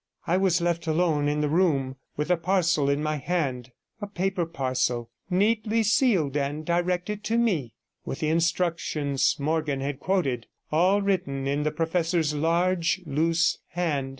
I was left alone in the room with the parcel in my hand — a paper parcel, neatly sealed and directed to me, with the instructions Morgan had quoted, all written in the professor's large, loose hand.